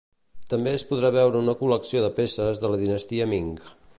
També es podrà veure una col·lecció de peces de la dinastia Ming.